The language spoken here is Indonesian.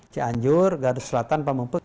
cianjur garut selatan pampung pek